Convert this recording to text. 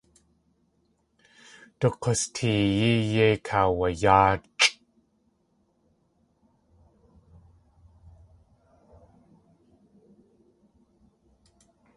Du k̲usteeyí yéi kaawayáachʼ.